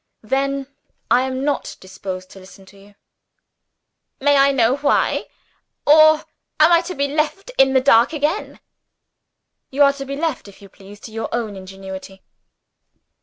"Then I am not disposed to listen to you." "May I know why? or am I to be left in the dark again?" "You are to be left, if you please, to your own ingenuity."